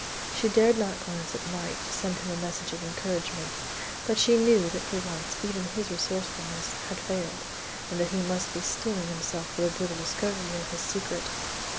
She dared not glance at Knight, to send him a message of encouragement, but she knew that for once even his resourcefulness had failed, and that he must be steeling himself to the brutal discovery of his secret.